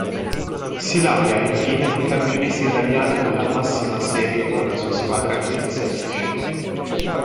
Si laurea infine Campionessa italiana della massima serie con la sua squadra Brixia Brescia.